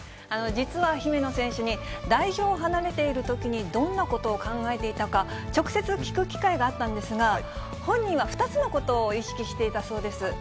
実は姫野選手に、代表離れているときにどんなことを考えていたか、直接聞く機会があったんですが、本人は２つのことを意識していたそうです。